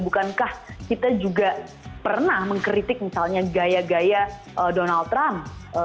bukankah kita juga pernah mengkritik misalnya gaya gaya donald trump